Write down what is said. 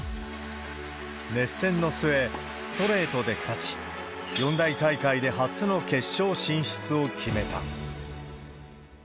熱戦の末、ストレートで勝ち、四大大会で初の決勝進出を決めた。